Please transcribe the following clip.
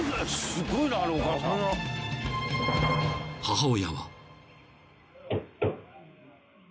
［母親は］